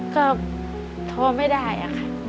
ก็ท้อไม่ได้อะค่ะ